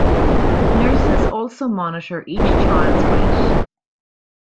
Nurses also monitor each child's weight.